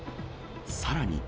さらに。